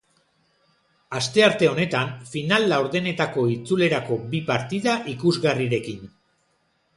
Astearte honetan final-laurdenetako itzulerako bi partida ikusgarrirekin.